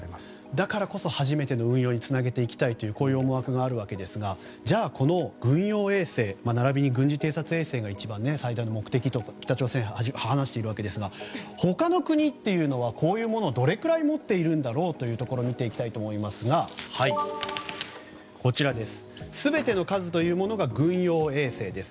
だからこそ初めての運用につなげていきたいという思惑があるわけですがじゃあ、この軍用衛星並びに軍事偵察衛星が最大の目的と北朝鮮は話しているわけですが他の国というのはこういうものをどれくらい持っているんだろうというところを見ていきたいと思いますがこちら、全ての数というものが軍用衛星です。